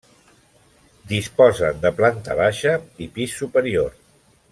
Disposen de planta baixa i pis superior.